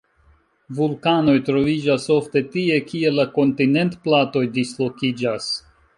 Vulkanoj troviĝas ofte tie, kie la kontinentplatoj dislokiĝas.